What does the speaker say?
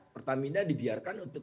pertamina dibiarkan untuk